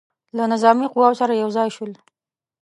له نظامي قواوو سره یو ځای شول.